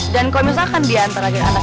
dan kalau misalkan diantar lagi anak